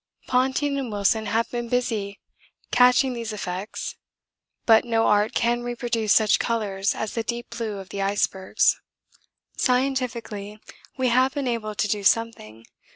Ponting and Wilson have been busy catching these effects, but no art can reproduce such colours as the deep blue of the icebergs. 'Scientifically we have been able to do something.